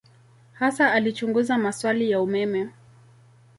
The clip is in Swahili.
Hasa alichunguza maswali ya umeme.